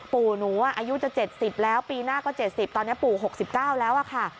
ปู่หนูอายุจะ๗๐แล้วปีหน้าก็๗๐ตอนนี้ปู่๖๙แล้วค่ะ